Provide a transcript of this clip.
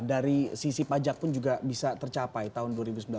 dari sisi pajak pun juga bisa tercapai tahun dua ribu sembilan belas